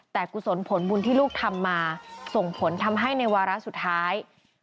แต่กุศลผลบุญที่ลูกทำมาส่งผลทำให้ในวาระสุดท้าย